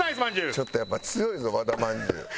ちょっとやっぱ強いぞ和田まんじゅう。